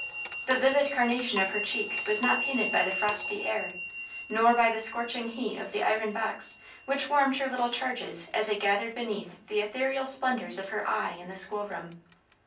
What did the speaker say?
The vivid carnation of her cheeks was not painted by the frosty air, nor by the scorching heat of the iron box which warmed her little charges as they gathered beneath the ethereal splendors of her eye in the school room.